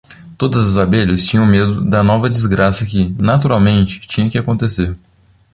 Todas as abelhas tinham medo da nova desgraça que, naturalmente, tinha que acontecer.